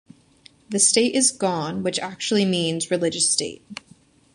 The state is gone", which actually means "Religious state?